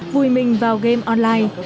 vùi mình vào game online